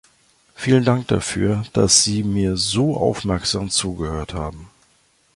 Vielen Dank dafür, dass Sie mir so aufmerksam zugehört haben.